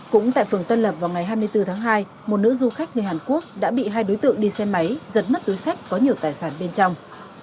cũng tại phường tân lập vào ngày hai mươi bốn tháng hai một nữ du khách người hàn quốc đã bị hai đối tượng đi xe máy giật mất túi sách có nhiều tài sản bên trong